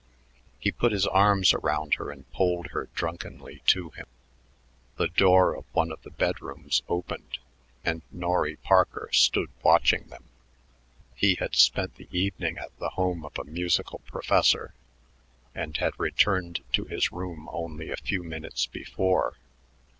He put his arms around her and pulled her drunkenly to him. The door of one of the bedrooms opened, and Norry Parker stood watching them. He had spent the evening at the home of a musical professor and had returned to his room only a few minutes before.